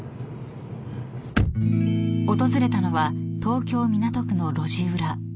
［訪れたのは東京港区の路地裏］